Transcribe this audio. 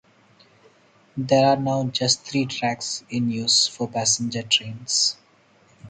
There are now just three tracks in use for passenger trains.